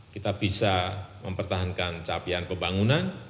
kita bisa mempertahankan capaian pembangunan